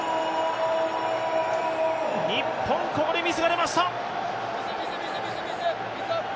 日本、ここでミスが出ました。